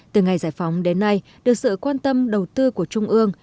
từ ngày giải phóng đến nay được sự quan tâm đầu tư của trung ương